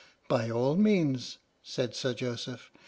"By all means," said Sir Joseph.